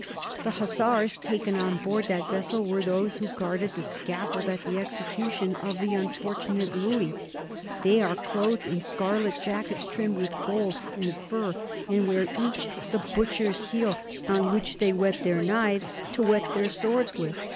The hussars taken on board that vessel were those who guarded the scaffold at the execution of the unfortunate Lewis they are clothed in scarlet jackets trimmed with gold and fur, and wear each the butcher's steel, on which they whet their knives, to whet their swords with.